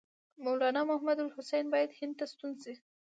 مولنا محمودالحسن باید هند ته ستون شي.